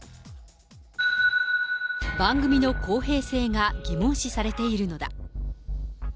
番組の公平性が疑問視されているのだ。